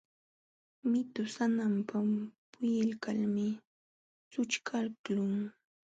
Mitu sananpa puliykalmi sućhkaqlun.